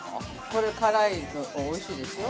◆これ辛いの、おいしいですよ。